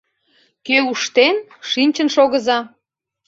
Кӧ уштен, шинчын шогыза!